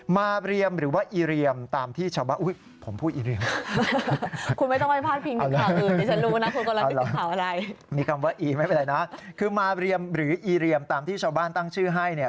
มาเรียมหรือว่าอีเรียมตามที่ชาวบ้านตั้งชื่อให้